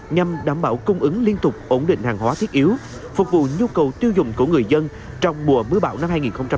nhằm đảm bảo cung ứng liên tục ổn định hàng hóa thiết yếu phục vụ nhu cầu tiêu dùng của người dân trong mùa mưa bão năm hai nghìn hai mươi